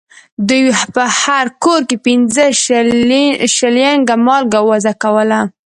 دوی پر هر کور پنځه شلینګه مالیه وضع کوله.